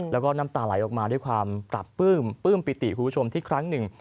แล้วก็น้ำตาไหลออกมาด้วยความปรับปื้มปลื้มปิติคุณผู้ชมที่ครั้งหนึ่ง